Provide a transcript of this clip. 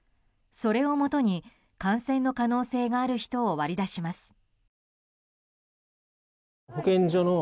それをもとに感染の可能性がある人を割り出します。